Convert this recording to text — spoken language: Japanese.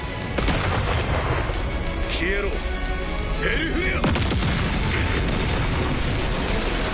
消えろヘルフレア！